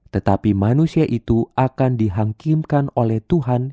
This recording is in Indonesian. tetapi manusia itu akan dihakimkan oleh tuhan